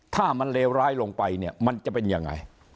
ถ้ามันเลวร้ายลงไปเนี่ยมันจะเป็นยังไง